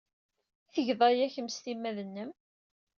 I tged aya kemm s timmad-nnem?